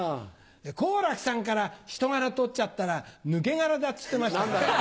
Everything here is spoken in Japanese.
好楽さんから人柄取っちゃったらヌケガラだっつってました。